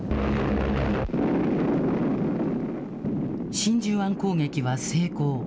真珠湾攻撃は成功。